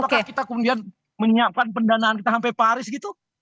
apakah kita kemudian menyiapkan pendanaan kita sampai paris gitu